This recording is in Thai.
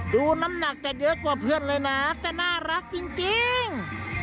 น้ำหนักจะเยอะกว่าเพื่อนเลยนะแต่น่ารักจริง